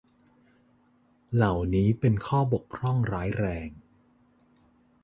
เหล่านี้เป็นข้อบกพร่องร้ายแรง